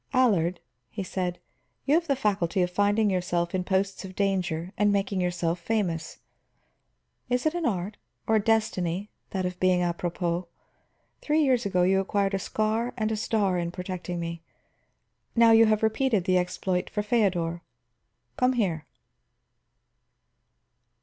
"Allard," he said, "you have the faculty of finding yourself in posts of danger and making yourself famous. It is an art, or a destiny, that of being apropos. Three years ago you acquired a scar and a star in protecting me; now you have repeated the exploit for Feodor. Come here."